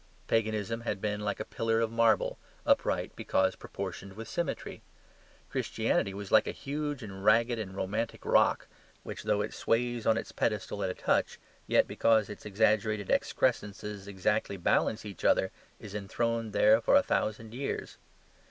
Paganism had been like a pillar of marble, upright because proportioned with symmetry. Christianity was like a huge and ragged and romantic rock, which, though it sways on its pedestal at a touch, yet, because its exaggerated excrescences exactly balance each other, is enthroned there for a thousand years.